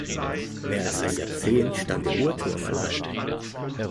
Mehr als ein Jahrzehnt stand der Uhrturm allein.